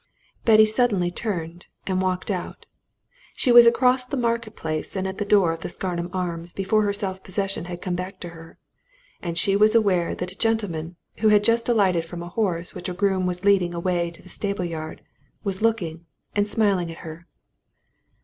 Betty suddenly turned and walked out. She was across the Market Place and at the door of the Scarnham Arms before her self possession had come back to her. And she was aware then that a gentleman, who had just alighted from a horse which a groom was leading away to the stable yard, was looking and smiling at her.